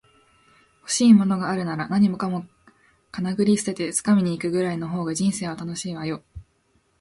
欲しいものがあるなら、何もかもかなぐり捨てて掴みに行くぐらいの方が人生は楽しいわよ